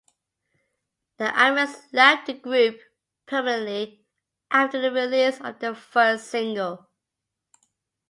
Ames left the group permanently after the release of their first single.